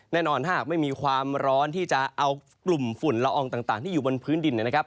แน่นอนถ้าหากไม่มีความร้อนที่จะเอากลุ่มฝุ่นละอองต่างที่อยู่บนพื้นดินนะครับ